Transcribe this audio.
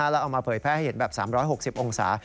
แล้วเอามาเผยแพร่ให้เห็นแบบ๓๖๐องศา